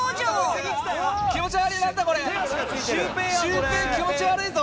シュウペイ気持ち悪いぞ。